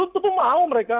tentu mau mereka